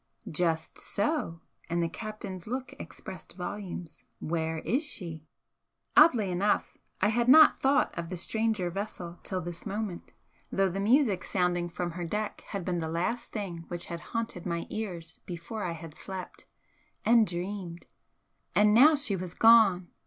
"Just so!" And the captain's look expressed volumes "Where is she?" Oddly enough, I had not thought of the stranger vessel till this moment, though the music sounding from her deck had been the last thing which had haunted my ears before I had slept and dreamed! And now she was gone!